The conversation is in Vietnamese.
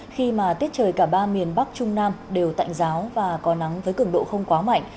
khi mà tiết trời cả ba miền bắc trung nam đều tạnh giáo và có nắng với cứng độ không quá mạnh